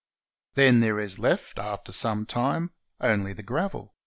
Then there is left, after some time, only the gravel.